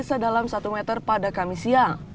sedalam satu meter pada kamis siang